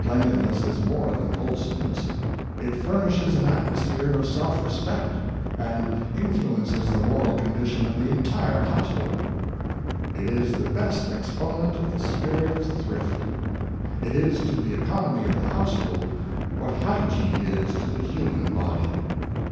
Cleanliness is more than whole someness. It furnishes an atmosphere of self respect, and influences the moral condition of the entire house hold. It is the best exponent of the spirit of Thrift. It is to the economy of the household what hygiene is to the human body.